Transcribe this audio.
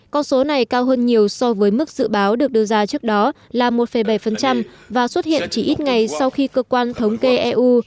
con số này cao hơn nhiều so với mức dự báo được đưa ra trước đó là một bảy và xuất hiện chỉ ít ngày sau khi cơ quan thống kê eu